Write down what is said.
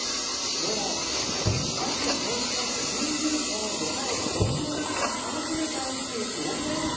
もう秋を通り越して冬中このドライがおうちの中でも楽しめちゃうってすごくないですか？